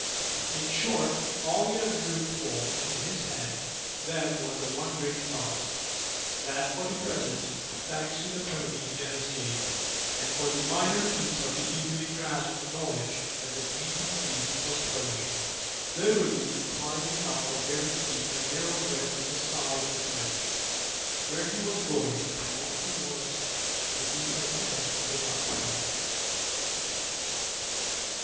In short, all he had room for in his head then was the one great thought, that for the present, thanks to the pony, he had escaped, and for the minor piece of easily grasped knowledge that the panting beast was toiling literally climbing up a very steep and narrow rift in the side of the cliff; where he was going and what was to be the end, he could not tell.